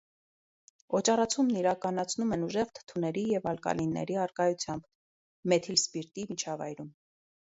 Օճառացումն իրականացնում են ուժեղ թթուների և ալկալիների առկայությամբ՝ մեթիլսպիրտի միջավայրում։